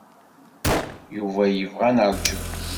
Yuba yebɣa ad neṛju.